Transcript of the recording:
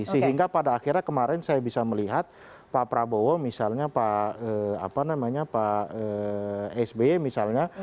sehingga pada akhirnya kemarin saya bisa melihat pak prabowo misalnya pak sby misalnya